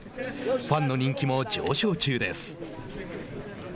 ファンの人気も上昇中です。